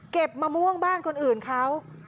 มะม่วงบ้านคนอื่นเขา